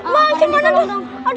masih mana tuh